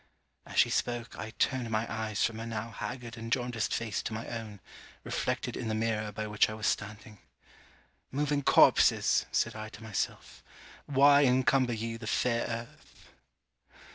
As she spoke, I turned my eyes from her now haggard and jaundiced face to my own, reflected in the mirror by which I was standing. 'Moving corpses!' said I to myself 'Why encumber ye the fair earth?'